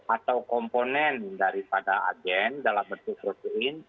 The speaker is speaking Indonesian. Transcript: atau komponen daripada agen dalam bentuk protein